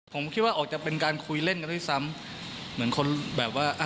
ผมคิดว่าออกจะเป็นการคุยเล่นกันด้วยซ้ำเหมือนคนแบบว่าอ่ะ